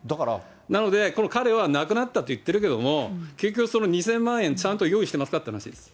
なので、彼はなくなったと言ってるけれども、結局、２０００万円ちゃんと用意してますかっていう話です。